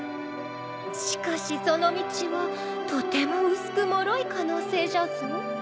しかしその道はとても薄くもろい可能性じゃぞ。